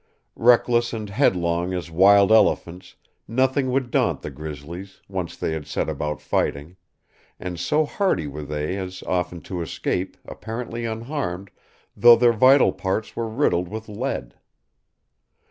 Reckless and headlong as wild elephants, nothing would daunt the grizzlies, once they had set about fighting; and so hardy were they as often to escape, apparently unharmed, though their vital parts were riddled with lead.